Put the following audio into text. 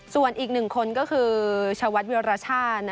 ส่วนอีกหนึ่งคนก็คือชาวรรดิวราชา